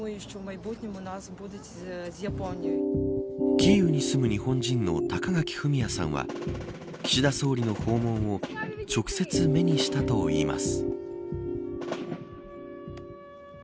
キーウに住む日本人の高垣典哉さんは岸田総理の訪問を直接、目にしたといいます。